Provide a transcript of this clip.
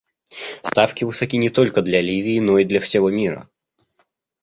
Ставки высоки не только для Ливии, но и для всего мира.